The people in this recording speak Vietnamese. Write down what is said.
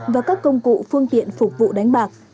và các công cụ phương tiện phục vụ đánh bạc